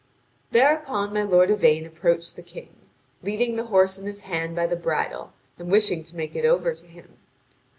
Thereupon my lord Yvain approached the King, leading the horse in his hand by the bridle, and wishing to make it over to him.